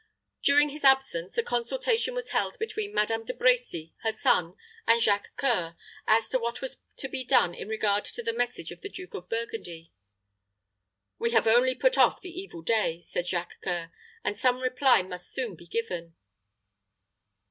During his absence, a consultation was held between Madame De Brecy, her son, and Jacques C[oe]ur as to what was to be done in regard to the message of the Duke of Burgundy. "We have only put off the evil day," said Jacques C[oe]ur, "and some reply must soon be given."